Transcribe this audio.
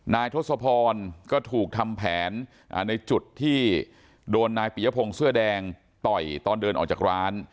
ทศพรก็ถูกทำแผนในจุดที่โดนนายปียพงศ์เสื้อแดงต่อยตอนเดินออกจากร้าน